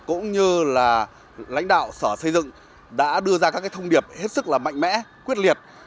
cũng như là lãnh đạo sở xây dựng đã đưa ra các thông điệp hết sức là mạnh mẽ quyết liệt